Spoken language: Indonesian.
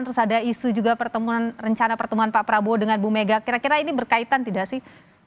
terus ada isu juga pertemuan rencana pertemuan pak prabowo dengan bu mega kira kira ini berkaitan tidak sih